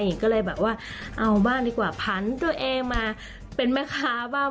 ก็เลยแบบว่าเอาบ้างดีกว่าผันตัวเองมาเป็นแม่ค้าบ้าง